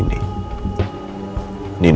nino juga kontraktornya kan